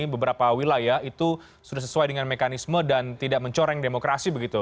beberapa wilayah itu sudah sesuai dengan mekanisme dan tidak mencoreng demokrasi begitu